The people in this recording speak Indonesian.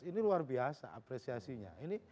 ini luar biasa apresiasinya